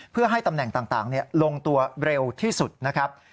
เพื่อให้ตำแหน่งต่างลงตัวเร็วที่สุดนะครับ